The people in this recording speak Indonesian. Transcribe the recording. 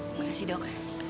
terima kasih dok